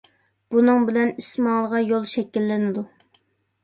بۇنىڭ بىلەن ئىس ماڭىدىغان يول شەكىللىنىدۇ.